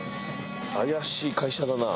怪しい会社だな。